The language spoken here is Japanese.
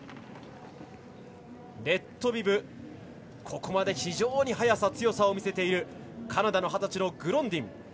レッドビブ、ここまで非常に速さ、強さを見せているカナダの二十歳、グロンディン。